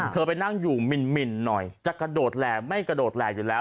ไปนั่งอยู่หมินหน่อยจะกระโดดแหล่ไม่กระโดดแหล่อยู่แล้ว